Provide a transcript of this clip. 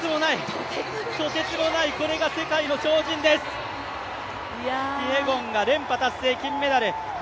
とてつもない、これが世界の超人です、キピエゴンが連覇達成、金メダル。